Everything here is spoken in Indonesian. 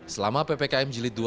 selama ppkm jilid dua